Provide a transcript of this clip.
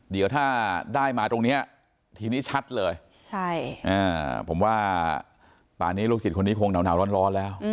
เดี๋ยวถ้าได้มาตรงนี้ทีนี้ชัดเลยผมว่าป่านนี้ลูกศิษย์คนนี้คงหนาวร้อนแล้ว